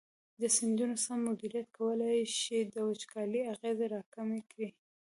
د سیندونو سم مدیریت کولی شي د وچکالۍ اغېزې راکمې کړي.